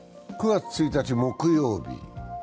９月１日、木曜日。